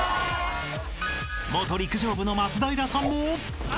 ［元陸上部の松平さんも］あ！